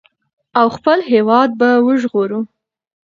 او خپل هېواد به وژغورو.